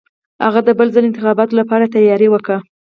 هغه د بل ځل انتخاباتو لپاره تیاری وکه.